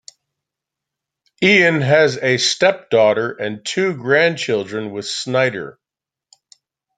Ian has a stepdaughter and two grandchildren with Snyder.